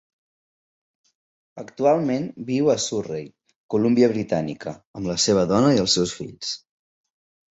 Actualment viu a Surrey, Colúmbia Britànica, amb la seva dona i els seus fills.